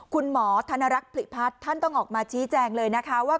คุณหมอธนรักษ์ผลิพัฒน์ท่านต้องออกมาชี้แจงเลยนะคะว่า